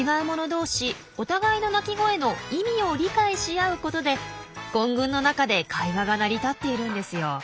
お互いの鳴き声の意味を理解し合うことで混群の中で会話が成り立っているんですよ。